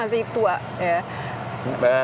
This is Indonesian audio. nah itu pun masih tua